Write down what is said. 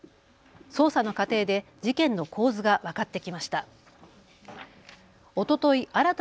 捜査の過程で事件の構図が分かってきました。